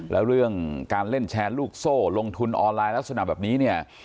แล้วเรื่องการเล่นแชร์ลูกโซ่ลงทุนออนไลน์ลักษณะแบบนี้เนี่ย